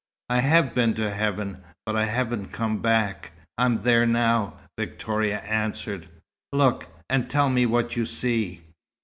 "I have been to heaven. But I haven't come back. I'm there now," Victoria answered. "Look and tell me what you see."